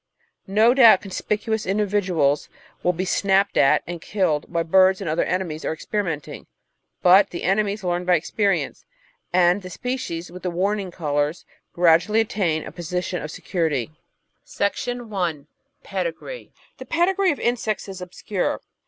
No doubt conspicuous individuals will be snapped at and killed while birds and other enemies are experimenting, but the enemies learn by experience, and the species with the warning colours gradually attain a position of security. § 1 Pedigree The pedigree of Insects is obscure.